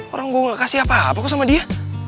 orang gue gak kasih apa apa kok sama dia